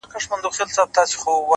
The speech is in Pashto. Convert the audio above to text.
o کال ته به مرمه ـ